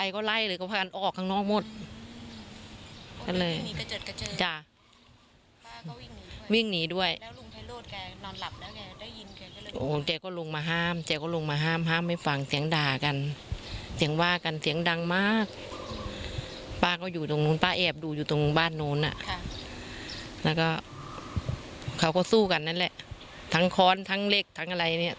เค้าก็สู้กันนั่นแหละทั้งข้อนทั้งเล็กทั้งอะไรเนี้ย